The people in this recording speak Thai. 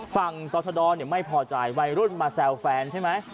ต่อชะดอไม่พอใจวัยรุ่นมาแซวแฟนใช่ไหม